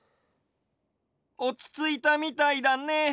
おちついたみたいだね。